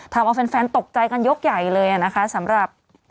ทำเอาแฟนตกใจกันยกใหญ่เลยนะคะสำหรับ